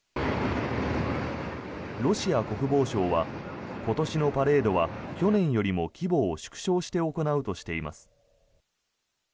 ロシア国防相は今年のパレードは去年よりも規模を縮小して行うとしています。